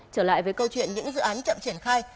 trở lại với câu chuyện những dự án chậm triển khai